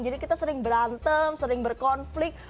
jadi kita sering berantem sering berkonflik